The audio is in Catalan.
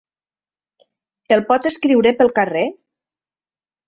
El pot escriure pel carrer?